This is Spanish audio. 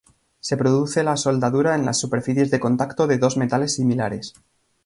Se produce la soldadura en las superficies de contacto de dos metales similares.